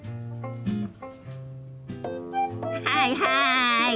はいはい！